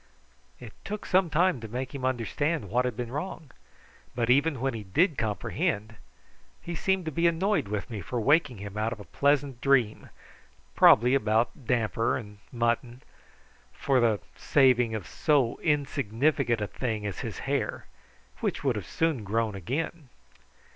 It took some time to make him understand what had been wrong, but even when he did comprehend he seemed to be annoyed with me for waking him out of a pleasant dream, probably about damper and mutton, for the saving of so insignificant a thing as his hair, which would have soon grown again.